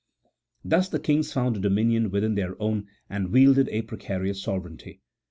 Thus the kings found a dominion within their own, and wielded a precarious sovereignty.